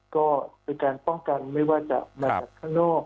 ก็เป็นการป้องกันไม่ว่าจะมาจากข้างนอก